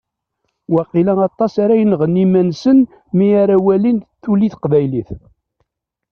Waqila aṭas ara yenɣen iman-nsen mi ara walin tuli teqbaylit.